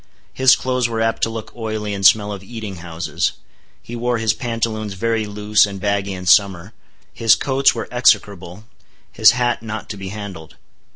His clothes were apt to look oily and smell of eating houses. He wore his pantaloons very loose and baggy in summer. His coats were execrable; his hat not to be handled.